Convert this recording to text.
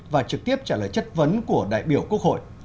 và trực tiếp trả lời chất vấn của đại biểu quốc hội